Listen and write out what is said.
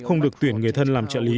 không được tuyển người thân làm trợ lý